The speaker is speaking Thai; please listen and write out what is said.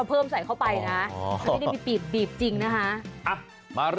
วิทยาลัยศาสตร์อัศวิทยาลัยศาสตร์